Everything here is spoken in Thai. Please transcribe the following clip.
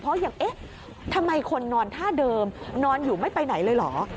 เพราะยังเอ๊ะทำไมคนนอนท่าเดิมนอนอยู่ไม่ไปไหนเลยเหรอ